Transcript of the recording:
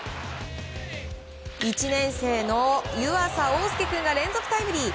１年生の湯浅桜翼君が連続タイムリー。